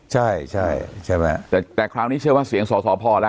ใช่ใช่ใช่ไหมแต่คราวนี้เชื่อว่าเสียงสอสอพอแล้ว